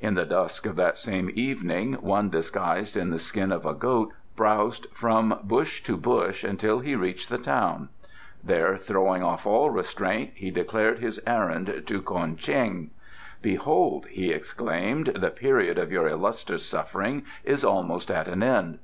In the dusk of that same evening one disguised in the skin of a goat browsed from bush to bush until he reached the town. There, throwing off all restraint, he declared his errand to Ko'en Cheng. "Behold!" he exclaimed, "the period of your illustrious suffering is almost at an end.